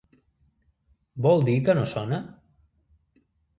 Vol dir que no sona?